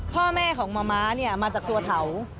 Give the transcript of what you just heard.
พ่อแม่ของมะมะมาจากสวทาว